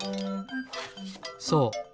そう。